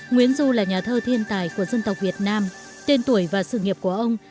nguyễn du là nhà thơ thiên tài của dân tộc việt nam tên tuổi và sự nghiệp của ông